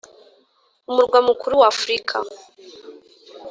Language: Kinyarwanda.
umurwa mukuru w'afurika.